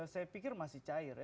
saya pikir masih cair ya